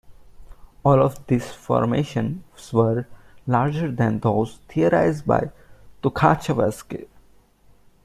All of these formations were larger than those theorized by Tukhachevsky.